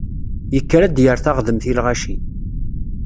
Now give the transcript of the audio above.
Yekker ad d-yerr taɣdemt i lɣaci.